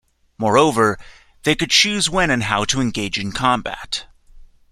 Moreover, they could choose when and how to engage in combat.